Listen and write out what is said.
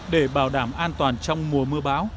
để bảo đảm an toàn trong mùa mưa báo